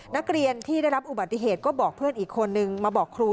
นักเรียนที่ได้รับอุบัติเหตุก็บอกเพื่อนอีกคนนึงมาบอกครู